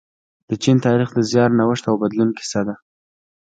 د چین تاریخ د زیار، نوښت او بدلون کیسه ده.